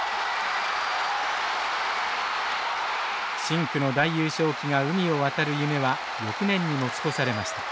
深紅の大優勝旗が海を渡る夢は翌年に持ち越されました。